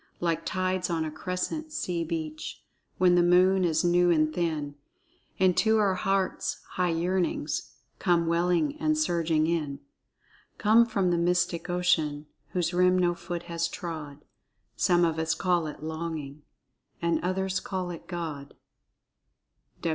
"Like tides on a crescent sea beach, When the moon is new and thin, Into our hearts high yearnings Come welling and surging in,— Come from the mystic ocean Whose rim no foot has trod,— Some of us call it Longing, And others call it God."